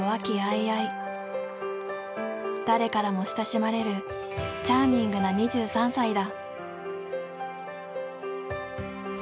誰からも親しまれるチャーミングな２３歳だ。